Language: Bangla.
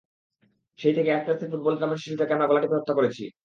সেই থেকে আস্তে আস্তে ফুটবল নামের শিশুটাকে আমরা গলা টিপে হত্যা করেছি।